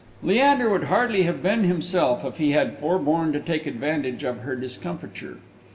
Leander would hardly have been himself if he had forborne to take advantage of her discomfiture.